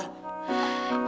ya ampun ton